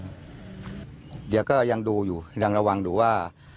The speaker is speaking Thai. เดี๋ยวก็ยังดูอยู่ยังระวังดูว่า